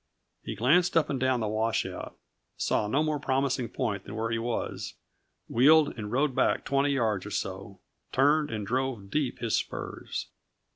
He glanced up and down the washout, saw no more promising point than where he was, wheeled and rode back twenty yards or so, turned and drove deep his spurs.